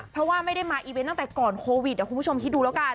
เพราะว่าไม่ได้มาอีเวนต์ตั้งแต่ก่อนโควิดคุณผู้ชมคิดดูแล้วกัน